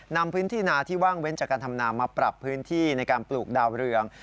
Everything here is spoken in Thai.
นำพื้นที่นาที่ว่างเว้นจากการทำนามาปรับพื้นที่ในการปลูกดาวเรือง